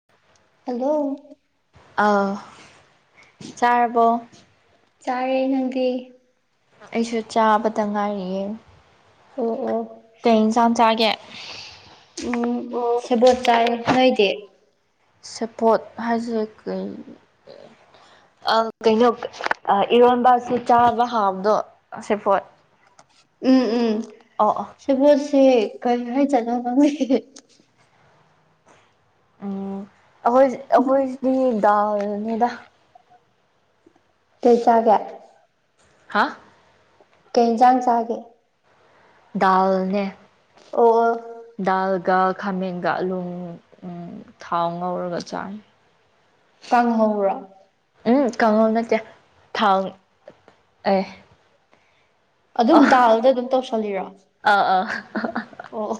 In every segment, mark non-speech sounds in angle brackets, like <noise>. <unintelligible> Hello ꯑ ꯆꯥꯔꯔꯕꯣ ꯆꯥꯔꯦ ꯅꯪꯗꯤ ꯑꯩꯁꯨ ꯆꯥꯕꯗ ꯉꯥꯏꯔꯤꯑꯦ ꯑꯣ ꯑꯣ ꯀꯩ ꯏꯟꯆꯥꯡꯝ ꯆꯥꯒꯦ ꯎꯝ ꯑꯣ ꯁꯦꯕꯣꯠ ꯆꯥꯏ ꯅꯣꯏꯗꯤ ꯁꯦꯕꫭꯠ ꯍꯥꯏꯁꯦ ꯀꯩ ꯑ ꯀꯩꯅꯣ ꯏꯔꯣꯟꯕꯁꯨ ꯆꯥꯕ ꯍꯥꯎꯕꯗꯣ ꯁꯦꯄꯣꯠ ꯎꯝ ꯎꯝ ꯑꯣ ꯑꯣ ꯁꯤꯕꯣꯠꯁꯤ ꯀꯩ ꯍꯥꯏꯖꯥꯠꯅꯣ ꯈꯪꯗꯦ ꯎꯨꯝ ꯑꯩꯈꯣꯏ ꯑꯩꯈꯣꯏ ꯁꯤꯗꯤ ꯗꯥꯜꯅꯤꯗ ꯀꯩ ꯆꯥꯒꯦ ꯍꯥ ꯀꯩ ꯍꯦꯟꯖꯥꯡ ꯆꯥꯒꯦ ꯗꯥꯜꯅꯦ ꯑꯣ ꯑꯣ ꯗꯥꯜ ꯂꯥꯜꯒ ꯈꯥꯃꯦꯟꯒꯥ ꯑꯂꯨꯡ ꯊꯥꯎ ꯉꯧꯔꯒ ꯆꯥꯏ ꯀꯪꯍꯧ꯭ꯔꯣ ꯎꯝ ꯀꯥꯡꯍꯧ ꯅꯠꯇꯦ ꯊꯥꯎ ꯑꯦ ꯑꯗꯨꯝ ꯗꯥꯜꯗ ꯑꯗꯨꯝ ꯇꯧꯁꯜꯂꯤꯔꯣ ꯑ ꯑꯥ ꯑꯣ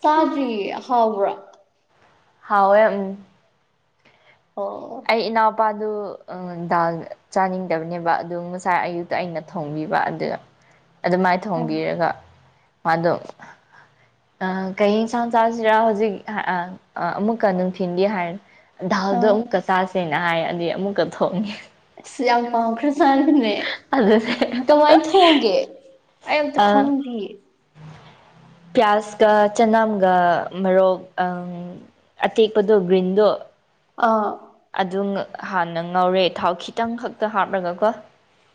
ꯆꯥꯗ꯭ꯔꯤꯌꯦ ꯍꯥꯎꯕ꯭ꯔꯣ ꯍꯥꯎꯋꯦ ꯎꯝ ꯑꯣ ꯑꯩ ꯏꯅꯥꯎꯄꯥꯗꯨ ꯗꯥꯜ ꯆꯥꯅꯤꯡꯗꯕꯅꯦꯕ ꯑꯗꯨ ꯉꯁꯥꯏ ꯑꯌꯨꯛꯇ ꯑꯩꯅ ꯊꯣꯡꯕꯤꯕ ꯑꯗꯨꯗ <unintelligible> ꯑꯗꯨꯃꯥꯏ ꯑꯣ ꯊꯣꯡꯕꯤꯔꯒ ꯃꯥꯗꯣ ꯑ ꯀꯩꯍꯤꯡꯁꯥꯡ ꯆꯥꯁꯤꯔ ꯍꯧꯖꯤꯛ ꯑ ꯑꯃꯨꯛꯀ ꯅꯨꯡꯊꯤꯟꯗꯤ ꯍꯥꯏꯔꯦ ꯗꯥꯜꯗꯣ ꯑꯥ ꯑꯃꯨꯛꯀ ꯆꯥꯁꯦꯅ ꯍꯥꯏ ꯑꯗꯩ ꯑꯃꯨꯛꯀ ꯊꯣꯛꯉꯦ ꯑꯁ ꯌꯥꯝ ꯄꯥꯝꯈ꯭ꯔ ꯆꯥꯠꯅꯤꯅꯦ ꯑꯗꯨꯅꯦ ꯀꯃꯥꯏꯟ ꯊꯣꯡꯒꯦ ꯑꯩ ꯑꯝꯇ ꯈꯪꯗꯤꯌꯦ ꯄꯤꯌꯥꯁꯀ ꯆꯅꯝꯒ ꯃꯔꯣꯛ ꯑꯪ ꯑꯇꯦꯛꯄꯗꯣ ꯒ꯭ꯔꯤꯟꯗꯣ ꯑꯥ ꯑꯗꯨꯡ ꯍꯥꯟꯅ ꯉꯧꯔꯦ ꯊꯥꯎ ꯈꯤꯇꯪ ꯈꯛꯇ ꯍꯥꯞꯂꯒꯀꯣ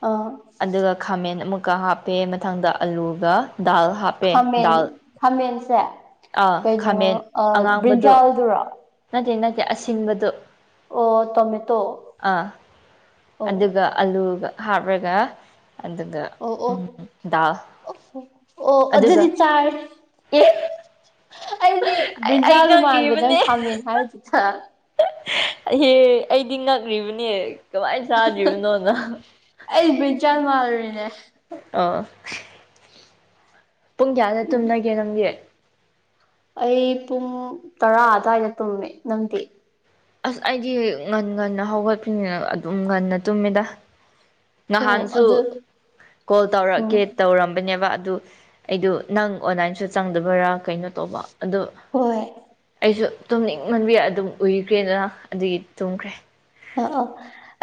ꯑꯥ ꯑꯗꯨꯒ ꯈꯥꯃꯦꯟ ꯑꯃꯨꯛꯀ ꯍꯥꯞꯄꯦ ꯃꯊꯪꯗ ꯑꯂꯨꯒ ꯗꯥꯜ ꯍꯥꯞ ꯈꯥꯃꯦꯟ ꯈꯥꯃꯦꯟꯁꯦ ꯑꯥ ꯀꯩꯅꯣ ꯈꯥꯃꯦꯟ ꯑ ꯑꯉꯥꯡꯕꯗꯨ ꯕ꯭ꯔꯤꯟꯖꯥꯜꯗꯨꯔꯣ ꯅꯠꯇꯦ ꯅꯠꯇꯦ ꯑꯁꯤꯟꯕꯗꯣ ꯑꯣ ꯇꯣꯃꯦꯇꯣ ꯑꯥ ꯑꯣ ꯑꯗꯨꯒ ꯑꯂꯨꯒ ꯍꯥꯞꯔꯒ ꯑꯗꯨꯒ ꯑꯣ ꯑꯣ ꯎꯝ ꯗꯥꯜ ꯑꯣ ꯍꯣ ꯑꯣ ꯑꯗꯨꯒ ꯑꯗꯨꯗꯤ ꯆꯥꯔꯦ ꯑꯦ ꯑꯩꯗꯤ ꯑꯩ ꯑꯩ ꯕ꯭ꯔꯤꯟꯖꯥꯟꯗꯣ ꯃꯥꯟꯕꯗꯪ ꯈꯥꯝꯃꯦꯟ ꯍꯥꯏꯕꯗꯨꯗ ꯏꯍꯦ ꯑꯩꯗꯤ ꯉꯛ꯭ꯔꯤꯕꯅꯦ ꯀꯃꯥꯏꯅ ꯆꯥꯗ꯭ꯔꯤꯕꯅꯣꯅ ꯑꯩ ꯕꯔꯤꯟ ꯆꯜ ꯃꯥꯜꯂꯔꯤꯅꯦ ꯑꯥ ꯄꯨꯡ ꯀꯌꯥꯗ ꯎꯝ ꯇꯨꯝꯅꯒꯦ ꯅꯪꯒꯤ ꯑꯩ ꯄꯨꯡ ꯇꯔꯥ ꯑꯗꯨꯋꯥꯏꯗ ꯇꯨꯝꯃꯦ ꯅꯪꯗꯤ ꯑꯁ ꯑꯩꯗꯤ ꯉꯟ ꯉꯟꯅ ꯍꯧꯒꯠꯄꯅꯤꯅ ꯑꯗꯨꯝ ꯉꯟꯅ ꯇꯨꯝꯃꯤꯗ ꯑꯣ ꯉꯍꯥꯟꯁꯨ ꯑꯗꯨ ꯀꯣꯜ ꯎꯝ ꯇꯧꯔꯛꯀꯦ ꯇꯧꯔꯝꯕꯅꯦꯕ ꯑꯗꯨ ꯑꯩꯗꯨ ꯅꯪ ꯑꯣꯟꯂꯥꯏꯟꯁꯨ ꯆꯪꯗꯕꯔꯥ ꯀꯩꯅꯣ ꯇꯧꯕ ꯑꯗꯣ ꯍꯣꯏ ꯑꯩꯁꯨ ꯇꯨꯝꯅꯤꯡ ꯃꯟꯕꯤ ꯑꯗꯨꯝ ꯎꯏꯈ꯭ꯔꯦꯅ ꯑꯗꯨꯒꯤ ꯇꯨꯝꯈ꯭ꯔꯦ ꯑ ꯑꯣ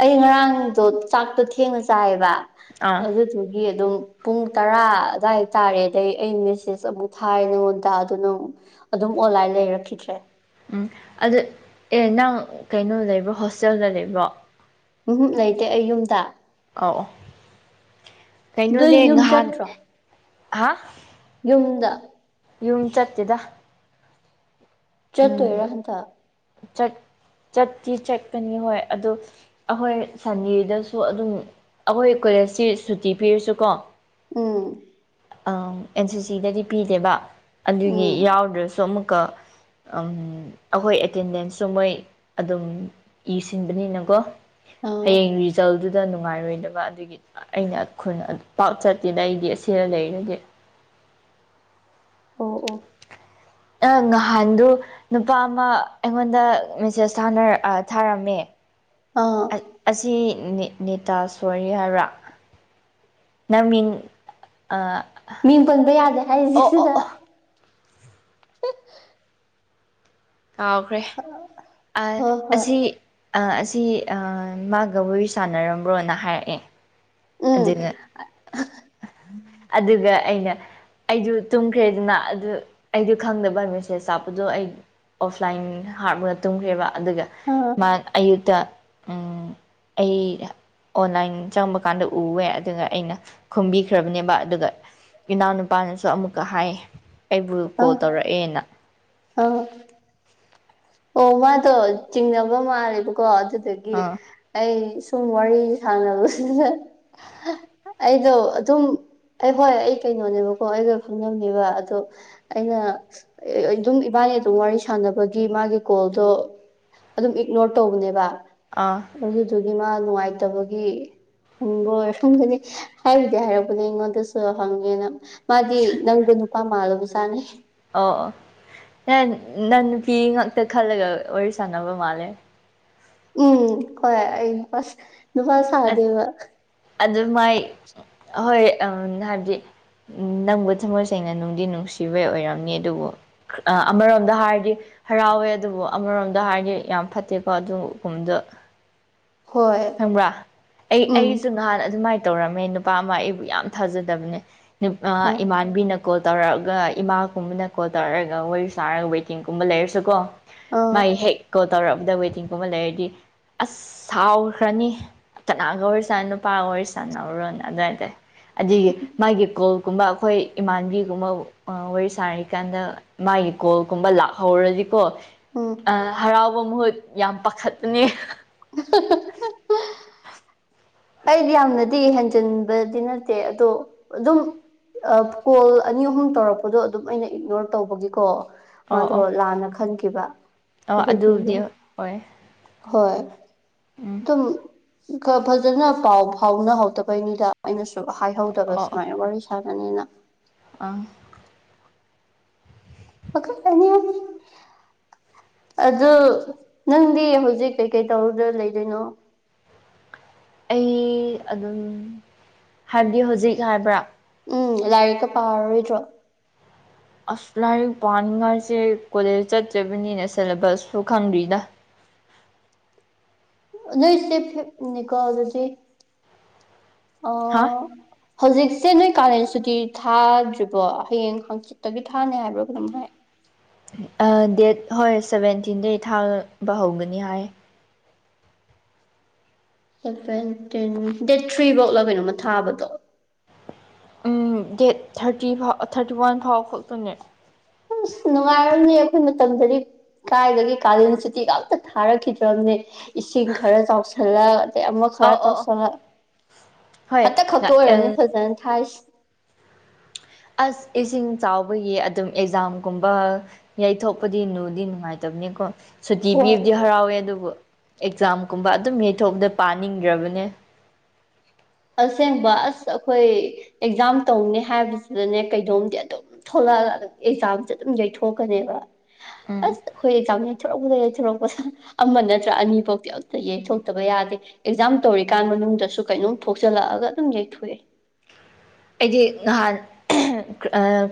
ꯑꯩ ꯉꯔꯥꯡꯗꯣ ꯆꯥꯛꯇꯣ ꯊꯦꯡꯅ ꯆꯥꯏꯌꯦꯕ ꯑꯥ ꯑꯗꯨ ꯗꯨꯒꯤ ꯑꯗꯨꯝ ꯄꯨꯡ ꯇꯔꯥ ꯑꯗꯨꯋꯥꯏꯇꯥꯥꯔꯦ ꯑꯗꯩ ꯑꯩ ꯃꯦꯁꯦꯁ ꯑꯃꯨꯛ ꯊꯥꯔꯦ ꯅꯉꯣꯟꯗ ꯑꯗꯨꯅꯪ ꯑꯗꯨꯝ ꯑꯣꯟꯂꯥꯏꯟ ꯂꯩꯔꯛꯈꯤꯗ꯭ꯔꯦ ꯎꯝ ꯑꯗꯨ ꯑꯦ ꯅꯪ ꯀꯩꯅꯣ ꯂꯩꯕ꯭ꯔꯣ ꯍꯣꯁꯇꯦꯜꯗ ꯂꯩꯕ꯭ꯔꯣ ꯎꯝ ꯍꯝ ꯂꯩꯇꯦ ꯑꯩ ꯌꯨꯝꯗ ꯑꯧ ꯅꯣꯏ ꯀꯩꯅꯣꯅꯦ ꯌꯨꯝ ꯉꯍꯥꯟ ꯆꯠꯇ꯭ꯔꯣ ꯍꯥ ꯌꯨꯝꯗ ꯌꯨꯝ ꯆꯠꯇꯦꯗ ꯎꯝ ꯆꯠꯇꯣꯏꯔꯥ ꯍꯟꯗꯛ ꯆꯠ ꯆꯠꯇꯤ ꯆꯠꯀꯅꯤ ꯍꯣꯏ ꯑꯗꯨ ꯑꯩꯈꯣꯏ ꯁꯟꯗꯦꯗꯁꯨ ꯑꯗꯨꯝ ꯑꯩꯈꯣꯏ ꯀꯣꯂꯦꯖꯇꯤ ꯁꯨꯇꯤ ꯄꯤꯔꯁꯨꯀꯣ ꯎꯝ ꯑꯝ ꯑꯦꯟ ꯁꯤ ꯁꯤꯗꯗꯤ ꯄꯤꯗꯦꯕ ꯑꯗꯨꯒꯤ ꯎꯝ ꯌꯥꯎꯗ꯭ꯔꯁꯨ ꯑꯃꯨꯛꯀ ꯑꯪ ꯑꯩꯈꯣꯏ ꯑꯦꯇꯦꯟꯗꯦꯟꯁꯁꯨ ꯃꯣꯏ ꯑꯗꯨꯝ ꯏꯁꯤꯟꯕꯅꯤꯅꯀꯣ ꯑꯥ ꯍꯌꯦꯡꯔꯤ ꯆꯜꯗꯨꯗ ꯅꯨꯡꯉꯥꯏꯔꯣꯏꯗꯕ ꯑꯗꯨꯒꯤ ꯑꯩꯅ ꯈꯨꯟ ꯑꯗꯨ ꯄꯥꯛ ꯆꯠꯇꯦꯗ ꯑꯩꯗꯤ ꯑꯁꯤꯅ ꯂꯩꯔꯗꯤ ꯑꯣ ꯑꯣ ꯑꯪ ꯉꯍꯥꯟꯗꯨ ꯅꯨꯄꯥ ꯑꯃ ꯑꯩꯉꯣꯟꯗ ꯃꯦꯁꯦꯁ ꯊꯥꯅꯔ ꯑ ꯊꯥꯔꯝꯃꯦ ꯑꯥ ꯑꯁꯤ ꯅꯤ ꯅꯦꯇꯥꯁꯣꯔꯤ ꯍꯥꯏꯕꯔ ꯅꯪ ꯃꯤꯡ ꯑ ꯃꯤꯡ ꯄꯟꯕ ꯌꯥꯗꯦ ꯍꯥꯏꯔꯤꯁꯤꯗ ꯀꯥꯎꯈꯔ꯭ꯦ ꯑꯦ ꯍꯣꯏ ꯍꯣꯏ ꯑꯁꯤ꯫ ꯑꯁꯤ ꯃꯥꯒ ꯋꯥꯔꯤ ꯁꯥꯟꯅꯔꯝꯕ꯭ꯔꯣꯅ ꯍꯥꯏꯔꯛꯑꯦ꯫ ꯎꯝ꯫ ꯑꯗꯨꯒ ꯑꯗꯨꯒ ꯑꯩꯅ꯫ ꯑꯩꯖꯨ ꯇꯨꯝꯈ꯭ꯔꯦꯗꯅ ꯑꯗꯨ ꯑꯩꯗꯤ ꯈꯪꯗꯕ ꯃꯦꯁꯦꯖ ꯂꯛꯄꯗꯣ ꯑꯩ꯫ ꯑꯣꯐꯂꯥꯏꯟ ꯍꯥꯞꯄ ꯇꯨꯝꯈ꯭ꯔꯦꯕ ꯑꯗꯨꯒ ꯑꯥ ꯃꯥ ꯑꯌꯨꯛꯇ ꯎꯝ꯫ ꯑꯩ ꯑꯣꯟꯂꯥꯏꯟ ꯆꯪꯕ ꯀꯥꯟꯗ ꯎꯋꯦ ꯑꯗꯨꯒ ꯑꯩꯅ ꯈꯨꯝꯕꯤꯈ꯭ꯔꯕ ꯅꯦꯕ ꯑꯗꯨꯒ ꯏꯅꯥꯎꯅꯨꯄꯥꯅꯁꯨ ꯑꯃꯨꯛꯀ ꯍꯥꯏ ꯑꯩꯕꯨ ꯀꯣꯜ ꯇꯧꯔꯛꯑꯦꯅ꯫ ꯑꯧ ꯑꯣ ꯃꯥꯗꯣ ꯆꯤꯡꯅꯕ ꯃꯥꯜꯂꯦꯕꯀꯣ ꯑꯗꯨꯗꯨꯒꯤ꯫ ꯑꯥ ꯑꯩ ꯁꯨꯝ ꯋꯥꯔꯤ ꯁꯥꯟꯅꯕꯁꯤꯅ ꯑꯩꯗꯣ ꯑꯗꯨꯝ꯫ ꯑꯩ ꯍꯣꯏ ꯑꯩ ꯀꯩꯅꯣꯅꯦꯕꯀꯣ ꯑꯩꯒ ꯈꯪꯅꯕꯅꯦꯕ ꯑꯗꯣ ꯑꯩꯅ꯫ ꯑꯗꯨꯝ ꯏꯕꯥꯅꯤ ꯑꯗꯨꯝ ꯋꯥꯔꯤ ꯁꯥꯟꯅꯕꯒꯤ ꯃꯥꯒꯤ ꯀꯣꯜꯗꯣ ꯑꯗꯨꯝ ꯏꯛꯅꯣꯔ ꯇꯧꯕꯅꯦꯕ ꯑꯥ ꯑꯗꯨꯗꯨꯒꯤ ꯃꯥ ꯅꯨꯡꯉꯥꯏꯇꯕꯒꯤ ꯍꯪꯕ ꯑꯣꯏꯔꯝꯒꯅꯤ ꯍꯥꯏꯕꯨꯗꯤ ꯍꯥꯏꯔꯛꯄꯅꯦ ꯑꯩꯉꯣꯟꯗꯁꯨ ꯍꯪꯉꯦꯅ ꯃꯥꯗꯤ ꯅꯪꯗꯨ ꯅꯨꯄꯥ ꯃꯥꯜꯂꯨꯕ ꯖꯥꯠꯅꯦ ꯑꯣ ꯑꯣ ꯅꯪ ꯅꯨꯄꯤ ꯉꯥꯛꯇ ꯈꯜꯂꯒ ꯋꯥꯔꯤ ꯁꯥꯟꯅꯕ ꯃꯥꯜꯂꯦ ꯎꯝ ꯍꯣꯏ ꯅꯨꯄꯥ ꯁꯥꯗꯦꯕ ꯑꯗꯨꯃꯥꯏ ꯍꯣꯏ ꯎꯝ ꯍꯥꯏꯕꯗꯤ ꯅꯪꯕꯨ ꯊꯃꯣꯏ ꯁꯦꯡꯅ ꯅꯨꯡꯗꯤ ꯅꯨꯡꯁꯤꯕꯩ ꯑꯣꯏꯔꯝꯅꯤ ꯑꯗꯨꯕꯨ꯫ ꯑꯃꯔꯣꯝꯗ ꯍꯥꯏꯔꯗꯤ ꯍꯔꯥꯎꯋꯦ ꯑꯗꯨꯕꯨ ꯑꯃꯔꯣꯝꯗ ꯍꯥꯏꯔꯗꯤ ꯌꯥꯝ ꯐꯠꯇꯦꯀꯣ ꯑꯗꯨꯒꯨꯝꯕꯗꯨ ꯍꯣꯏ ꯈꯪꯕ꯭ꯔꯥ ꯑꯩ ꯎꯝ ꯑꯩꯁꯨ ꯅꯍꯥꯟ ꯑꯗꯨꯃꯥꯏꯅ ꯇꯧꯔꯝꯃꯦ ꯅꯨꯄꯥ ꯑꯃ ꯑꯩꯕꯨ ꯌꯥꯝ ꯊꯥꯖꯗꯕꯅꯦ ꯑ ꯏꯃꯥꯟꯅꯕꯤꯅ ꯀꯣꯜ ꯇꯧꯔꯛꯑꯒ ꯏꯃꯥꯒꯨꯝꯕꯅ ꯀꯣꯜ ꯇꯧꯔꯛꯑꯒ ꯋꯥꯔꯤ ꯁꯥꯔꯒ ꯋꯦꯇꯤꯡꯒꯨꯝꯕ ꯂꯩꯔꯁꯨꯀꯣ ꯑꯥ ꯃꯥꯏ ꯍꯦꯛ ꯀꯣꯜ ꯇꯧꯔꯛꯄꯗ ꯋꯦꯇꯤꯡꯒꯨꯝꯕ ꯂꯩꯔꯗꯤ ꯑꯁ ꯁꯥꯎ ꯈ꯭ꯔꯅꯤ ꯀꯅꯥꯒ ꯋꯥꯔꯤꯁꯥꯏ ꯅꯨꯄꯥꯒ ꯋꯥꯔꯤ ꯁꯥꯅꯕꯔꯣꯅ ꯑꯗꯩꯗꯤ ꯑꯗꯨꯒꯤ ꯃꯥꯒꯤ ꯀꯣꯜꯒꯨꯝꯕ ꯑꯩꯈꯣꯏ ꯏꯃꯥꯟꯕꯤꯒꯨꯝꯕ ꯋꯥꯔꯤ ꯁꯥꯥꯔꯤꯀꯥꯟꯗ ꯃꯥꯒꯤ ꯀꯣꯜꯒꯨꯝꯕ ꯂꯥꯛꯍꯧꯔꯗꯤꯀꯣ ꯎꯝ꯫ ꯍꯔꯥꯎꯕ ꯃꯍꯨꯠ ꯌꯥꯝ ꯄꯥꯈꯠꯄꯅꯦ ꯑꯩꯗꯤ ꯌꯥꯝꯅꯗꯤ ꯍꯦꯟꯖꯤꯟꯕꯗꯤ ꯅꯠꯇꯦ ꯑꯗꯣ ꯑꯗꯨꯝ ꯀꯣꯜ ꯑꯅꯤ ꯑꯍꯨꯝ ꯇꯧꯔꯛꯄꯗꯣ ꯑꯗꯨꯝ ꯑꯩꯅ ꯏꯛꯅꯣꯔ ꯇꯧꯕꯒꯤꯀꯣ꯫ ꯑꯣ ꯃꯥꯗꯣ ꯑꯣ ꯂꯥꯟꯅ ꯈꯟꯈꯤꯕ ꯑꯣ ꯑꯗꯨꯗꯨꯒꯤ ꯑꯗꯨꯕꯨꯗꯤ ꯍꯣꯏ ꯍꯣꯏ꯫ ꯎꯝ ꯑꯗꯨꯝ ꯐꯖꯅ ꯄꯥꯎ ꯐꯥꯎꯅꯍꯧꯗꯕꯩꯅꯤꯗ ꯑꯩꯅꯁꯨ ꯍꯥꯏꯍꯧꯗ ꯑꯣ ꯑꯣ ꯁꯨꯃꯥꯏ ꯋꯥꯔꯤ ꯁꯒꯅꯤꯅ ꯑꯪ ꯄꯥꯈꯠꯄꯅꯤ ꯑꯗꯨ ꯅꯪꯗꯤ ꯍꯧꯖꯤꯛ ꯀꯩꯀꯩ ꯇꯧꯔꯒ ꯂꯩꯗꯣꯏꯅꯣ ꯑꯩ ꯑꯗꯨꯝ ꯍꯥꯏꯕꯗꯤ ꯍꯧꯖꯤꯛ ꯍꯥꯏꯕ꯭ꯔꯥ ꯎꯝ ꯂꯥꯏꯔꯤꯛꯀ ꯄꯥꯔꯔꯣꯏꯗ꯭ꯔꯣ ꯑꯁ ꯂꯥꯏꯔꯤꯛ ꯄꯥꯅꯤꯡꯉꯥꯏꯁꯦ ꯀꯣꯂꯦꯖ ꯆꯠꯇ꯭ꯔꯤꯕꯅꯤꯅ ꯁꯦꯂꯦꯕꯁꯁꯨ ꯈꯪꯗ꯭ꯔꯤꯗ ꯅꯣꯏꯁꯦ ꯐꯤꯐꯅꯤꯀꯣ ꯑꯗꯨꯗꯤ ꯑꯣ ꯍꯥ ꯍꯧꯖꯤꯛꯁꯦ ꯅꯣꯏ ꯀꯥꯂꯦꯟ ꯁꯨꯇꯤ ꯊꯥꯗ꯭ꯔꯤꯕꯣ ꯍꯌꯦꯡ ꯍꯪꯆꯤꯠꯇꯒꯤ ꯊꯥꯅꯤ ꯍꯥꯏꯕ꯭ꯔ ꯀꯩꯅꯣꯝ ꯍꯥꯏ ꯑ ꯗꯦꯠ ꯍꯣꯏ ꯁꯦꯕꯦꯟꯇꯤꯟꯗꯩ ꯊꯥꯕ ꯍꯧꯒꯅꯤ ꯍꯥꯏ ꯁꯦꯕꯦꯟꯇꯤꯟ ꯗꯦꯠ ꯊ꯭ꯔꯤ ꯕꯧꯔ ꯀꯩꯅꯣꯝꯃ ꯊꯥꯕꯗꯣ ꯎꯝ ꯗꯦꯠ ꯊꯥꯔꯇꯤ ꯐꯥꯎ ꯊꯥꯔꯇꯤ ꯋꯥꯟ ꯐꯥꯎ ꯈꯛꯇꯅꯦ ꯑꯁ ꯅꯨꯡꯉꯥꯏꯔꯝꯅꯤ ꯑꯩꯈꯣꯏ ꯃꯇꯝꯗꯗꯤ ꯀꯥꯏꯗꯒꯤ ꯀꯥꯂꯦꯟ ꯁꯨꯇꯤꯒ ꯑꯝꯇ ꯊꯥꯔꯛꯈꯤꯗ꯭ꯔꯕꯅꯦ ꯏꯁꯤꯡ ꯈꯔ ꯆꯥꯎꯁꯜꯂꯛ ꯑꯗꯩ ꯑꯃ ꯈꯔ ꯑꯣ ꯑꯣ ꯇꯣꯁꯜꯂꯛ ꯍꯣꯏ ꯍꯟꯇꯛ ꯈꯛꯇ ꯑꯣꯏꯔꯝꯅꯤ ꯐꯖꯅ ꯊꯥꯏꯁꯦ ꯑꯁ ꯏꯁꯤꯡ ꯆꯥꯎꯕꯒꯤ ꯑꯗꯨꯝ ꯑꯦꯛꯖꯥꯝꯒꯨꯝꯕ ꯌꯩꯊꯣꯛꯄꯗꯤ ꯅꯨꯗꯤ ꯅꯨꯡꯉꯥꯏꯇꯕꯅꯤꯀꯣ ꯁꯨꯇꯤ ꯍꯣꯏ ꯄꯤꯕꯗꯤ ꯍꯔꯥꯎꯋꯦ ꯑꯗꯨꯕꯨ ꯑꯦꯛꯖꯥꯝꯒꯨꯝꯕ ꯑꯗꯨꯝ ꯌꯩꯊꯣꯛꯄꯗ ꯄꯥꯅꯤꯡꯗ꯭ꯔꯕꯅꯦ ꯑꯁꯦꯡꯕ ꯑꯁ ꯑꯩꯈꯣꯏ ꯑꯦꯛꯖꯥꯝ ꯇꯧꯅꯤ ꯍꯥꯏꯕꯁꯤꯗꯅꯦ ꯀꯩꯅꯣꯝꯗꯤ ꯑꯗꯨꯝ ꯊꯣꯛꯂꯛꯑꯒ ꯑꯗꯨꯝ ꯑꯦꯛꯖꯥꯝꯁꯦ ꯑꯗꯨꯝ ꯌꯩꯊꯣꯛꯀꯅꯦꯕ ꯎꯝ ꯑꯁ ꯑꯩꯈꯣꯏ ꯑꯦꯛꯖꯥꯝ ꯌꯩꯊꯣꯔꯛꯄ ꯌꯩꯊꯣꯔꯛꯄꯗ ꯌꯩꯊꯣꯔꯛꯄꯗ ꯑꯃ ꯅꯠꯇ꯭ꯔ ꯑꯅꯤꯐꯥꯎꯗꯤ ꯑꯝꯇ ꯌꯩꯊꯣꯛꯇꯕ ꯌꯥꯗꯦ ꯑꯦꯛꯖꯥꯝ ꯇꯧꯔꯤꯀꯥꯟ ꯃꯅꯨꯡꯗꯁꯨ ꯀꯩꯅꯣꯝ ꯊꯣꯛꯆꯜꯂꯛꯑꯒ ꯑꯗꯨꯝ ꯌꯩꯊꯣꯛꯑꯦ ꯑꯩꯗꯤ ꯅꯍꯥꯟ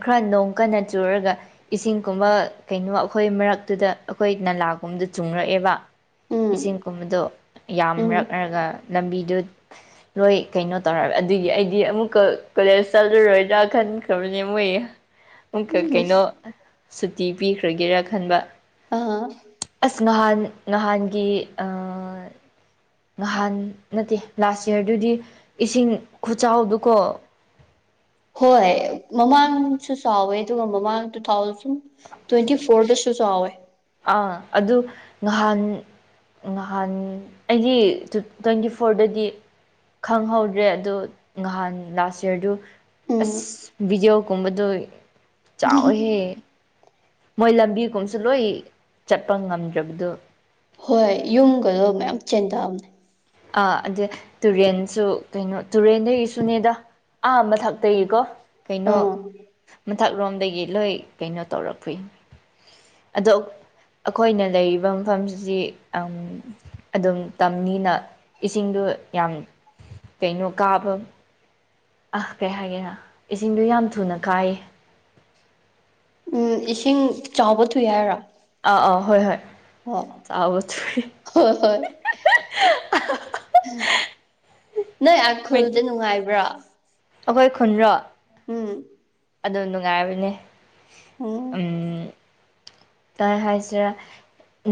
ꯈꯔ ꯅꯣꯡ ꯀꯟꯅ ꯆꯨꯔꯒ ꯏꯁꯤꯡꯒꯨꯝꯕ ꯀꯩꯅꯣ ꯑꯩꯈꯣꯏ ꯃꯔꯛꯇꯨꯗ ꯑꯩꯈꯣꯏ ꯅꯂꯥꯒꯨꯝꯕꯗ ꯆꯨꯡꯔꯛꯑꯦꯕ ꯎꯝ ꯏꯁꯤꯡꯒꯨꯝꯕꯗꯨ ꯎꯝ ꯌꯥꯝꯔꯛꯔꯒ ꯂꯝꯕꯤꯗꯨ ꯂꯣꯏ ꯀꯩꯅꯣ ꯇꯧꯔꯒ ꯑꯗꯨꯒꯤ ꯑꯩꯗꯤ ꯑꯃꯨꯛꯀ ꯀꯣꯂꯦꯖ ꯆꯠꯂꯔꯣꯏꯗ꯭ꯔꯥ ꯈꯟꯈ꯭ꯔꯕꯅꯦ ꯃꯣꯏ ꯑꯃꯨꯛꯀ ꯎꯝ ꯀꯩꯅꯣ ꯁꯨꯇꯤ ꯄꯤꯈ꯭ꯔꯒꯦꯔꯥ ꯈꯟꯕ ꯑꯥ ꯑꯁ ꯅꯍꯥꯟ ꯅꯍꯥꯟꯒꯤ ꯅꯍꯥꯟ ꯅꯠꯇꯦ ꯂꯥꯁ ꯌꯥꯔꯗꯨꯗꯤ ꯏꯁꯤꯡ ꯈꯨꯆꯥꯎꯗꯨꯀꯣ ꯍꯣꯏ ꯃꯃꯥꯡꯁꯨ ꯆꯥꯎꯋꯦ ꯑꯗꯨꯒ ꯃꯃꯥꯡ ꯇꯨ ꯊꯥꯎꯁꯟ ꯇ꯭ꯋꯦꯟꯇꯤ ꯐꯣꯔꯗꯁꯨ ꯆꯥꯎꯋꯦ ꯑꯥ ꯑꯗꯨ ꯅꯍꯥꯟ ꯅꯍꯥꯟ ꯑꯩꯒꯤ ꯇ꯭ꯋꯦꯟꯇꯤ ꯐꯣꯔꯗꯗꯤ ꯈꯪꯍꯧꯗ꯭ꯔꯦ ꯑꯗꯨ ꯅꯍꯥꯟ ꯂꯥꯁ ꯌꯥꯔꯗꯨ ꯎꯝ ꯑꯁ ꯚꯤꯗꯤꯑꯣꯒꯨꯝꯕꯗꯣ ꯆꯥꯎꯋꯤꯍꯦ ꯃꯣꯏ ꯂꯝꯕꯤꯒꯨꯝꯁꯨ ꯂꯣꯏ ꯆꯠꯄ ꯉꯝꯗ꯭ꯔꯕꯗꯨ ꯍꯣꯏ ꯌꯨꯝꯒꯗꯣ ꯃꯌꯥꯝ ꯆꯦꯟꯗꯕꯅꯦ ꯑꯥ ꯑꯗꯨ ꯇꯨꯔꯦꯟꯁꯨ ꯀꯩꯅꯣ ꯇꯨꯔꯦꯟꯗꯒꯤꯁꯨꯅꯤꯗꯥ ꯑꯥ ꯃꯊꯛꯇꯒꯤ ꯀꯣ ꯀꯩꯅꯣ ꯑꯥ ꯃꯊꯛ ꯂꯣꯝꯗꯒꯤ ꯂꯣꯏ ꯀꯩꯅꯣ ꯇꯧꯔꯛꯄꯨꯏ ꯑꯗꯣ ꯑꯩꯈꯣꯏꯅ ꯂꯩꯔꯤꯕ ꯃꯐꯝꯁꯤꯗꯤ ꯑꯝ ꯑꯗꯨꯝ ꯇꯝꯅꯤꯅ ꯏꯁꯤꯡꯗꯣ ꯌꯥꯝ ꯀꯩꯅꯣ ꯀꯥꯕ ꯑ ꯀꯩ ꯍꯥꯏꯒꯦꯔ ꯏꯁꯤꯡꯗꯨ ꯌꯥꯝ ꯊꯨꯅ ꯀꯥꯏꯌꯦ ꯎꯝ ꯏꯁꯤꯡ ꯆꯥꯎꯕ ꯊꯨꯏ ꯍꯥꯏꯔꯣ ꯑꯥ ꯑꯥ ꯍꯣꯏ ꯍꯣꯏ ꯍꯣ ꯆꯥꯎꯕ ꯊꯨꯏ ꯍꯣꯏ ꯍꯣꯏ ꯅꯣꯏ ꯑꯥ ꯍꯣꯏ ꯈꯨꯜꯗ ꯅꯨꯡꯉꯥꯏꯕ꯭ꯔꯣ ꯑꯩꯈꯣꯏ ꯈꯨꯟꯔꯣ ꯎꯝ ꯑꯗꯨꯝ ꯅꯨꯡꯉꯥꯏꯕꯅꯦ ꯎꯝ ꯇꯥꯏ ꯍꯥꯏꯁꯤꯔꯥ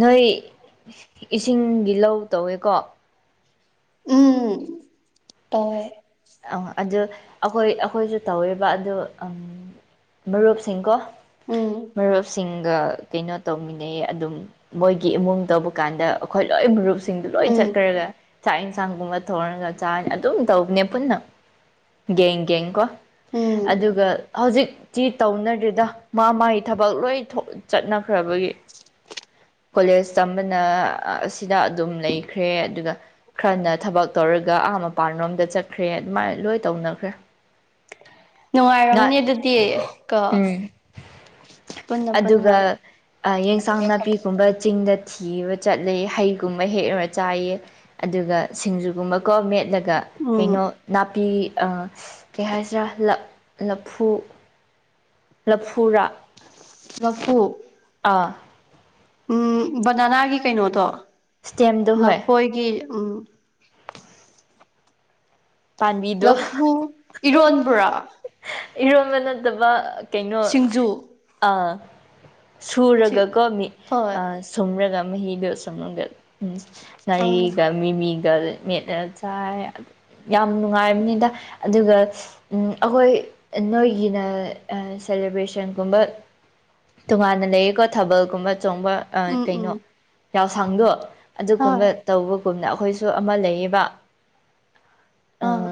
ꯅꯣꯏ ꯏꯁꯤꯡꯒꯤ ꯂꯧ ꯇꯧꯋꯦꯀꯣ ꯎꯝ ꯇꯧꯋꯦ ꯑꯪ ꯑꯗꯨ ꯑꯩꯈꯣꯏ ꯑꯩꯈꯣꯏꯁꯨ ꯇꯧꯋꯦꯕ ꯑꯗꯨ ꯑꯝ ꯃꯔꯨꯞꯁꯤꯡꯀꯣ ꯎꯝ ꯃꯔꯨꯞꯁꯤꯡ ꯒ ꯀꯩꯅꯣ ꯇꯧꯃꯤꯟꯅꯩ ꯑꯗꯨꯝ ꯃꯣꯏꯒꯤ ꯏꯃꯨꯡ ꯇꯧꯕꯀꯥꯟꯗ ꯑꯩꯈꯣꯏ ꯂꯣꯏ ꯃꯔꯨꯞ ꯁꯤꯡꯗꯨ ꯂꯣꯏ ꯎꯝ ꯆꯠꯈ꯭ꯔꯒ ꯆꯥꯛ ꯏꯟꯁꯥꯡꯒꯨꯝꯕ ꯊꯣꯡꯉꯒ ꯆꯥꯔꯅꯤ ꯑꯗꯨꯝ ꯇꯧꯕꯅꯦ ꯄꯨꯟꯅ ꯒꯦꯡ ꯒꯦꯡ ꯀꯣ ꯎꯝ ꯑꯗꯨꯒ ꯍꯧꯖꯤꯛ ꯆꯤ ꯇꯧꯅꯗ꯭ꯔꯦꯗ ꯃꯥ ꯃꯥꯒꯤ ꯊꯕꯛ ꯂꯣꯏ ꯊꯣꯛ ꯆꯠꯅꯈ꯭ꯔꯕꯒꯤ ꯀꯣꯂꯦꯖ ꯇꯝꯕꯅ ꯑ‌ ꯁꯤꯗ ꯑꯗꯨꯝ ꯂꯩꯈ꯭ꯔꯦ ꯑꯗꯨꯒ ꯈꯔꯅ ꯊꯕꯛ ꯇꯧꯔꯒ ꯑꯥ ꯃꯄꯥꯟꯔꯣꯝꯗ ꯆꯠ ꯈ꯭ꯔꯦ ꯑꯗꯨꯃꯥꯏꯅ ꯂꯣꯏ ꯇꯧꯅꯈ꯭ꯔꯦ ꯉꯥ ꯅꯨꯡꯉꯥꯏꯔꯝꯅꯤ ꯑꯗꯨꯗꯤ ꯀꯣ ꯎꯝ ꯄꯨꯟꯅ ꯄꯨꯟꯅ ꯑꯗꯨꯒ ꯑ ꯌꯦꯟꯁꯥꯡ ꯅꯥꯄꯤ ꯒꯨꯝꯕ ꯆꯤꯡꯗ ꯊꯤꯕ ꯆꯠꯂꯦ ꯍꯩꯒꯨꯝꯕ ꯍꯦꯛꯂꯔ ꯆꯥꯏꯌꯦ ꯑꯗꯨꯒ ꯁꯤꯡꯖꯨꯒꯨꯝꯕꯀꯣ ꯃꯦꯠꯂꯒ ꯎꯝ ꯀꯩꯅꯣ ꯅꯥꯄꯤ ꯑ ꯀꯩꯍꯥꯏꯁꯤꯔꯥ ꯂꯞ ꯂꯐꯨ ꯂꯐꯨꯔꯥ ꯂꯐꯨ ꯑ ꯎꯝ ꯕꯅꯥꯅꯥꯒꯤ ꯀꯩꯅꯣꯗꯣ ꯏꯁꯇꯦꯝꯗꯣ ꯍꯣꯏ ꯂꯐꯣꯏꯒꯤ ꯎꯝ ꯄꯥꯝꯕꯤꯗꯣ ꯂꯐꯨ ꯏꯔꯣꯟꯕꯔꯣ ꯏꯔꯣꯟꯕ ꯅꯠꯇꯕ ꯀꯩꯅꯣ ꯁꯤꯡꯖꯨ ꯑꯥ ꯁꯤ ꯁꯨꯔꯒꯀꯣ ꯃꯤ ꯍꯣꯏ ꯑ ꯁꯨꯝꯔꯒ ꯃꯍꯤꯗꯣ ꯁꯨꯝꯔꯒ ꯑꯪ ꯉꯥꯔꯤꯒ ꯃꯤꯃꯤꯒ ꯃꯦꯠꯂ ꯆꯥꯏ ꯌꯥꯝ ꯅꯨꯡꯉꯥꯏꯕꯅꯤꯗꯥ ꯑꯗꯨꯒ ꯎꯝ ꯑꯩꯈꯣꯏ ꯑ ꯅꯣꯏꯒꯤꯅ ꯑ ꯁꯦꯂꯦꯕ꯭ꯔꯦꯁꯟꯒꯨꯝꯕ ꯇꯣꯉꯥꯟꯅ ꯂꯩꯌꯦꯀꯣ ꯊꯥꯕꯜꯒꯨꯝꯕ ꯆꯣꯡꯕ ꯑ ꯎꯝ ꯀꯩꯅꯣ ꯎꯝ ꯌꯥꯎꯁꯪꯗꯣ ꯍꯣꯏ ꯑꯗꯨꯒꯨꯝꯕ ꯇꯧꯕꯒꯨꯝꯅ ꯑꯩꯈꯣꯏꯁꯨ ꯑꯃ ꯂꯩꯌꯦꯕ ꯑꯥ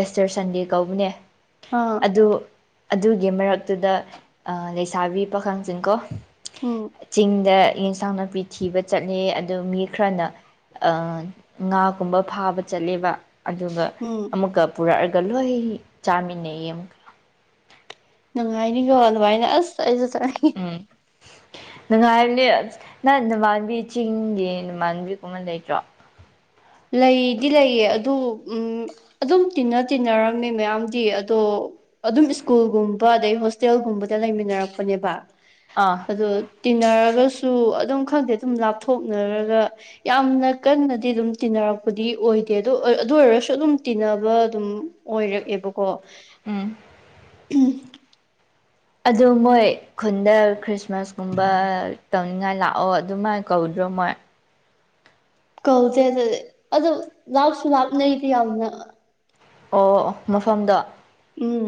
ꯑꯦꯁꯇꯔ ꯁꯟꯗꯦ ꯀꯧꯕꯅꯦ ꯑ ꯑꯗꯨ ꯑꯗꯨꯒꯤ ꯃꯔꯛꯇꯨꯗ ꯂꯩꯁꯥꯕꯤ ꯄꯥꯈꯪꯁꯤꯡ ꯀꯣ꯫ ꯎꯝ꯫ ꯆꯤꯡꯗ ꯑꯦꯟꯁꯥꯡ ꯅꯥꯄꯤ ꯊꯤꯕ ꯆꯠꯂꯦ ꯑꯗꯨ ꯃꯤ ꯈꯔꯅ꯫ ꯑꯥ ꯉꯥꯒꯨꯝꯕ ꯐꯥꯕ ꯆꯠꯂꯦꯕ꯫ ꯑꯗꯨꯒ ꯎꯝ ꯑꯃꯨꯛꯀ ꯄꯨꯔꯛꯑꯒ ꯂꯣꯏ ꯆꯥꯃꯤꯟꯅꯩꯌ‌ꯦ ꯑꯃꯨꯛꯀ꯫ ꯅꯨꯡꯉꯥꯏꯅꯤꯀꯣ ꯑꯗꯨꯃꯥꯏꯅ ꯑꯁ ꯑꯩꯁꯨ ꯆꯠꯅꯤꯡꯉ‌ꯦ꯫ ꯍꯝ ꯅꯨꯡꯉꯥꯏꯕꯅꯤ ꯑꯁ ꯅ ꯅꯃꯥꯟꯕꯤ ꯆꯤꯡꯒꯤ ꯅꯃꯥꯟꯕꯤꯒꯨꯝꯕ ꯂꯩꯇ꯭ꯔꯣ꯫ ꯂꯩꯗꯤ ꯂꯩꯌꯦ ꯑꯗꯨ ꯎꯝ꯫ ꯑꯗꯨꯝ ꯇꯤꯟꯅ ꯇꯤꯟꯅꯔꯝꯃꯦ ꯃꯌꯥꯝꯗꯤ ꯑꯗꯣ꯫ ꯑꯗꯨꯝ ꯁ꯭ꯀꯨꯜꯒꯨꯝꯕ ꯑꯗꯩ ꯍꯣꯁꯇꯦꯜꯒꯨꯝꯕꯗ ꯂꯩꯃꯤꯟꯅꯔꯛꯄꯅꯦꯕ ꯑ ꯑꯗꯣ ꯇꯤꯟꯅꯔꯒꯁꯨ ꯑꯗꯨꯝ ꯈꯪꯗꯦ ꯑꯗꯨꯝ ꯂꯥꯞꯊꯣꯛꯅꯔꯒ ꯌꯥꯝꯅ ꯀꯟꯅꯗꯤ ꯑꯗꯨꯝ ꯇꯤꯟꯅꯔꯛꯄꯗꯤ ꯑꯣꯏꯗꯦ ꯑꯗꯣ ꯑꯗꯨ ꯑꯣꯏꯔꯁꯨ ꯑꯗꯨꯝ ꯇꯤꯟꯅꯕ ꯑꯗꯨꯝ ꯑꯣꯏꯔꯛꯑꯦꯕꯀꯣ ꯎꯝ <inaudible> ꯑꯗꯨ ꯃꯣꯏ ꯈꯨꯟꯗ ꯈ꯭ꯔꯤꯁꯃꯥꯁꯀꯨꯝꯕ ꯇꯧꯅꯤꯡꯉꯥꯏ ꯂꯥꯛꯑꯣ ꯑꯗꯨꯃꯥꯏꯅ ꯀꯧꯗ꯭ꯔꯣ ꯃꯣꯏ ꯀꯧꯗꯦ ꯑꯗꯨꯗꯤ ꯑꯗꯨ ꯂꯥꯞꯁꯨ ꯂꯥꯞꯅꯩꯗꯤ ꯌꯥꯝꯅ ꯑꯣ ꯑꯣ ꯃꯐꯝꯗꯣ ꯎꯝ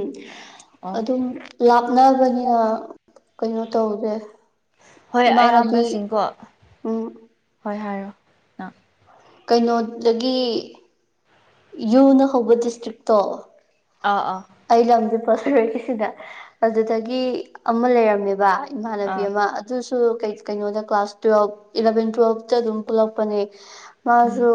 ꯑꯣ ꯑꯗꯨꯝ ꯂꯥꯞꯅꯕꯅꯤꯅ ꯀꯩꯅꯣ ꯇꯧꯗꯦ ꯍꯣꯏ ꯏꯃꯥꯟꯅꯕꯤ ꯑꯌꯥꯝꯕꯁꯤꯡꯀꯣ ꯎꯝ ꯍꯣꯏ ꯍꯥꯏꯔꯣ ꯅꯪ ꯀꯩꯅꯣꯗꯒꯤ꯫ ꯌꯨꯅ ꯍꯧꯕ ꯗꯤꯁꯇ꯭ꯔꯤꯛꯇꯣ꯫ ꯑꯥ ꯑꯥ꯫ ꯑꯩ ꯂꯝꯗꯤ ꯄꯣꯂꯔꫭꯒ‌ꯦꯗ ꯑꯗꯨꯗꯒꯤ ꯑꯃ ꯂꯩꯔꯝꯃꯦꯕ꯫ ꯏꯃꯥꯟꯅꯕꯤ ꯑꯥ ꯑꯃ꯫ ꯑꯗꯨꯁꯨ ꯀꯩ ꯀꯩꯅꯣꯗ ꯀ꯭ꯂꯥꯁ ꯇꯨꯋꯦꯜ ꯏꯂꯚꯦꯟ ꯇꯨꯋꯦꯜꯇ ꯑꯗꯨꯝ ꯄꯨꯜꯂꯛꯄꯅꯦ ꯎꯝ ꯃꯥꯁꯨ꯫